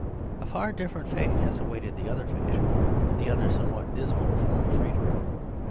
A far dif ferent fate has awaited the other fashion; the other somewhat dismal form of freedom.